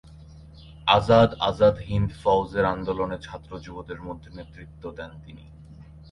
আজাদ আজাদ হিন্দ ফৌজের আন্দোলনে ছাত্র-যুবদের মধ্যে নেতৃত্ব দেন তিনি।